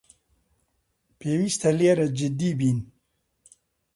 پێویستە لێرە جددی بین.